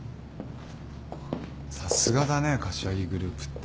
さすがだね柏木グループって。